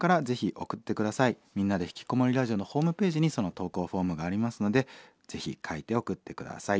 「みんなでひきこもりラジオ」のホームページにその投稿フォームがありますのでぜひ書いて送って下さい。